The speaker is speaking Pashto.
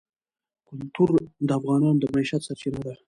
کلتور د افغانانو د معیشت سرچینه ده.